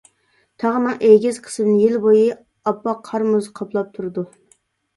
تاغنىڭ ئېگىز قىسمىنى يىل بويى ئاپئاق قار-مۇز قاپلاپ تۇرىدۇ.